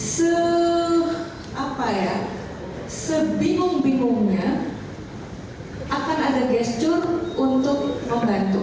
se apa ya sebingung bingungnya akan ada gestur untuk membantu